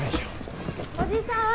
おじさーん！